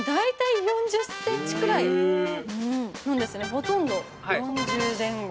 ほとんど４０前後。